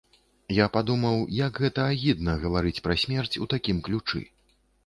Я падумаў, як гэта агідна гаварыць пра смерць у такім ключы.